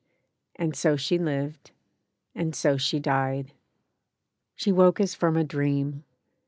And so she lived, and so she died. She woke as from a dream.